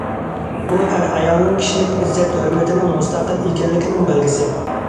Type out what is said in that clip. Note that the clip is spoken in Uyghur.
بۇ ئەر- ئايالنىڭ كىشىلىك ئىززەت- ھۆرمىتىنىڭ مۇستەقىل ئىكەنلىكىنىڭ بەلگىسى.